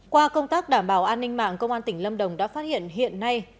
qua công tác đảm bảo an ninh mạng công an tỉnh lâm đồng đã phát hiện hiện nay